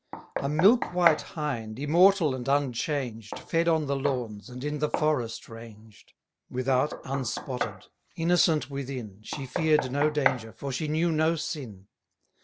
A milk white Hind, immortal and unchanged, Fed on the lawns, and in the forest ranged; Without unspotted, innocent within, She fear'd no danger, for she knew no sin.